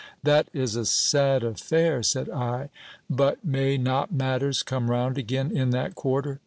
That is a sad affair, said I : but may not matters come round again in that quarter